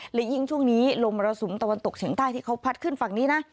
และยิ่งช่วงนี้ลมมรสุมตะวันตกเฉียงใต้ที่เขาพัดขึ้นฝั่งนี้นะ